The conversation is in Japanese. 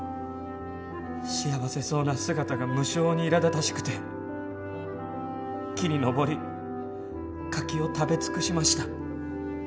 幸せそうな姿が無性にいらだたしくて木に登り柿を食べ尽くしました。